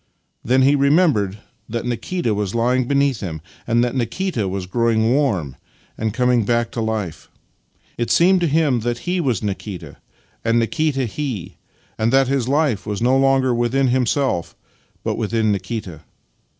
Then he remembered that Nikita was lying beneath him, and that Nikita was growing warm and was coming back to life. It seemed to him that he was Nikita, and Nikita he, and that his life was no longer within himself, but within Nikita.